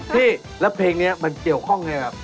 พี่แล้วเพลงนี้มันเกี่ยวข้องไงครับ